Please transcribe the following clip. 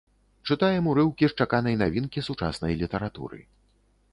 Чытаем урыўкі з чаканай навінкі сучаснай літаратуры.